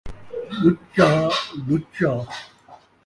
ٻُچہ، لُچا